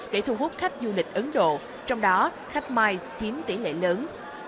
để thu hút khách du lịch ấn độ trong đó khách miles chiếm tỷ lệ lớn